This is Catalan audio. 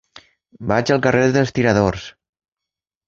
Vaig al carrer dels Tiradors.